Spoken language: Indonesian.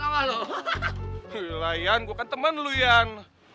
gila yan gue kan temen lo yan